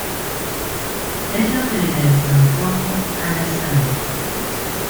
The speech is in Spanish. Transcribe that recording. Es lo que le da el color rojo a la sangre.